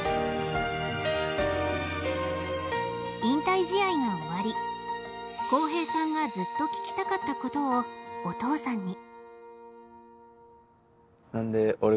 引退試合が終わり浩平さんがずっと聞きたかったことをお父さんに。